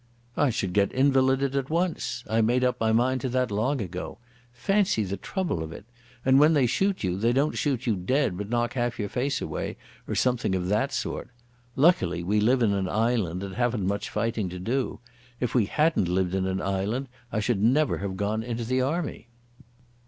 "I should get invalided at once. I made up my mind to that long ago. Fancy the trouble of it. And when they shoot you they don't shoot you dead, but knock half your face away, or something of that sort. Luckily we live in an island, and haven't much fighting to do. If we hadn't lived in an island I should never have gone into the army."